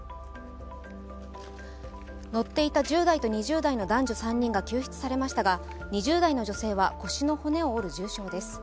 乗っていた１０代と２０代の男女３人が救出されましたが２０代の女性は腰の骨を折る重傷です。